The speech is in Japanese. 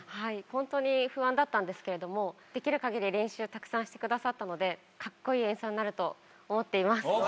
本当に不安だったんですけれどもできる限り練習をたくさんしてくださったので格好いい演奏になると思っています。